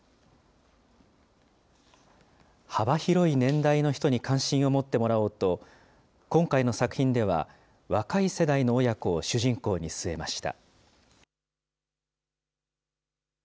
幅広い年代の人に関心を持ってもらおうと、今回の作品では若い世代の親子を主人公に据えました。